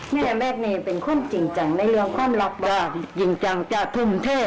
แม่แม่แม่เป็นคนจริงจังในเรื่องความรับบอกจริงจังจ้ะทุ่มเท่